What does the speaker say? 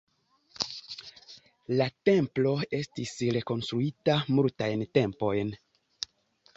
La templo estis rekonstruita multajn tempojn.